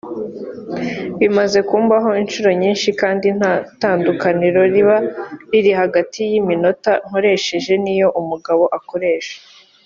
bimaze kumbaho inshuro nyinshi kandi nta tandukaniro riba riri hagati y’iminota nkoresha n’iyo umugabo akoresha